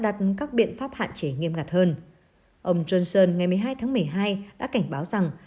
đặt các biện pháp hạn chế nghiêm ngặt hơn ông johnson ngày một mươi hai tháng một mươi hai đã cảnh báo rằng